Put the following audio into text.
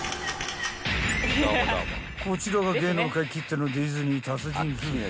［こちらが芸能界きってのディズニー達人夫婦］